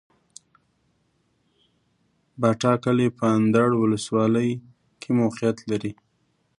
باټا کلی په اندړ ولسوالۍ کي موقعيت لري